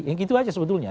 ya gitu aja sebetulnya